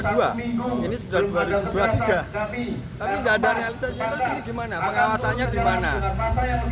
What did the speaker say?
tapi dada r dialisasi yang terkini gimana pengalasannya dicapai